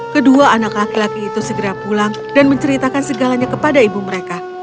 kedua anak laki laki itu segera pulang dan menceritakan segalanya kepada ibu mereka